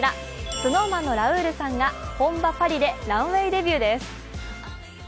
ＳｎｏｗＭａｎのラウールさんが本場・パリでランウェイデビューです。